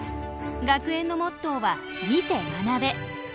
学園のモットーは「見て学べ」。